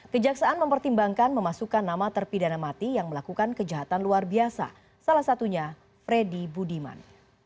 kejaksaan mempertimbangkan memasukkan nama terpidana mati yang melakukan kejahatan luar biasa salah satunya freddy budiman